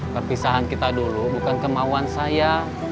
perpisahan kita dulu bukan kemauan saya